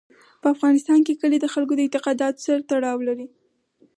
په افغانستان کې کلي د خلکو د اعتقاداتو سره تړاو لري.